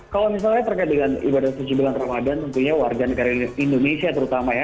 kalau misalnya terkait dengan ibadah puasa ramadan tentunya warga negeri indonesia terutama ya